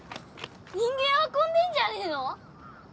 人間運んでんじゃねえの？